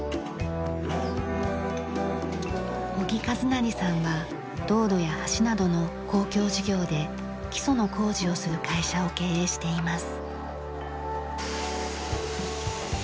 小木一成さんは道路や橋などの公共事業で基礎の工事をする会社を経営しています。